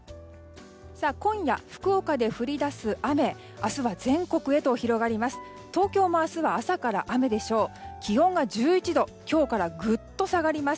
今夜、福岡で降り出す雨明日は全国へと広がります。